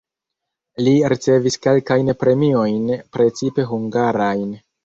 Li ricevis kelkajn premiojn (precipe hungarajn).